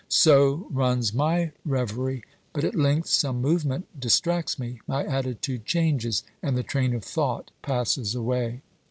So runs my reverie ; but at length some movement dis tracts me, my attitude changes, and the train of thought passes away.